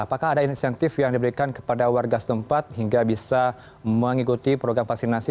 apakah ada insentif yang diberikan kepada warga setempat hingga bisa mengikuti program vaksinasi